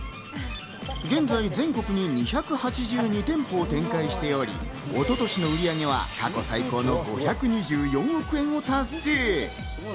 現在、全国に２８２店舗を展開しており、一昨年の売り上げは過去最高の５２４億円を達成。